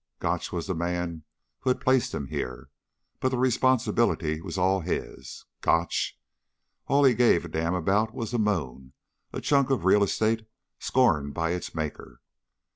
Gotch was the man who had placed him here. But the responsibility was all his. Gotch! All he gave a damn about was the moon a chunk of real estate scorned by its Maker.